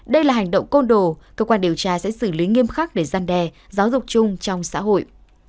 đây là hành động côn đồ cơ quan điều tra sẽ xử lý nghiêm khắc để gian đe giáo dục chung trong xã hội